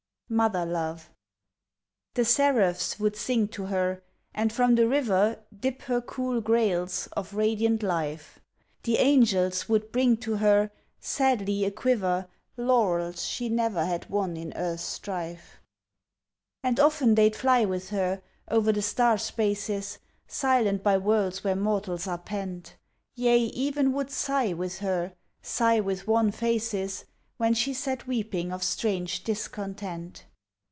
MOTHER LOVE The seraphs would sing to her And from the River Dip her cool grails of radiant Life. The angels would bring to her, Sadly a quiver, Laurels she never had won in earth strife. And often they'd fly with her O'er the star spaces Silent by worlds where mortals are pent. Yea, even would sigh with her, Sigh with wan faces! When she sat weeping of strange discontent.